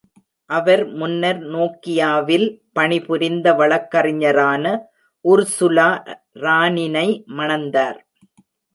அவர் முன்னர் நோக்கியாவில் பணிபுரிந்த வழக்கறிஞரான உர்சுலா ரானினை மணந்தார்.